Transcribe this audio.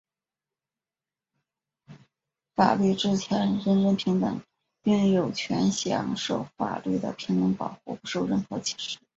法律之前人人平等,并有权享受法律的平等保护,不受任何歧视。